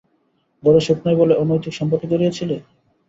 ঘরে সুখ নাই বলে অনৈতিক সম্পর্কে জড়িয়েছিলে?